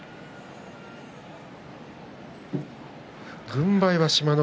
軍配は志摩ノ